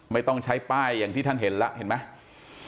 ไม่ต้องใช้ป้ายอย่างที่ท่านเห็นแล้วเห็นไหม